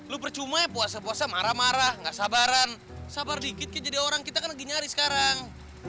lu percuma ya puasa puasa marah marah gak sabaran sabar dikit jadi orang kita kan lagi nyari sekarang